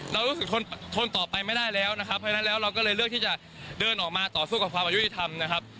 เรารู้สึกทนทนต่อไปไม่ได้แล้วนะครับเพราะฉะนั้นแล้วเราก็เลยเลือกที่จะเดินออกมาต่อสู้กับความอายุติธรรมนะครับ